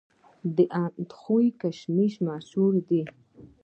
د اندخوی کشمش مشهور دي